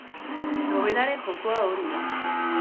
Nobelaren jokoa hori da.